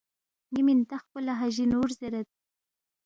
ن٘ی مِنتخ پو لہ حاجی ن٘و زیرید